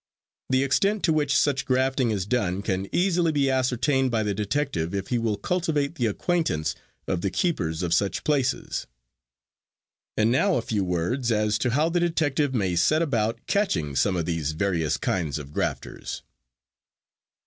The extent to which such grafting is done can easily be ascertained by the detective if he will cultivate the acquaintance of the keepers of such places. And now a few words as to how the detective may set about catching some of these various kinds of grafters.